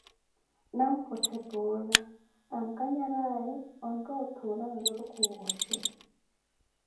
Nampotthe poola, ankanyaraaye ontta othuula nzurukhu wooshi.